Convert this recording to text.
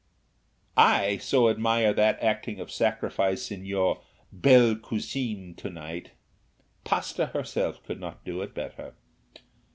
"I so admire that acting of sacrifice in your belle cousine to night! Pasta herself could not do it better.